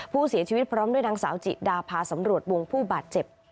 ผู้เสียชีวิตพร้อมด้วยนางสาวจิดาพาสำรวจวงผู้บาดเจ็บ